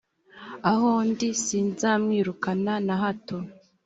aho ndi sinzamwirukana na hato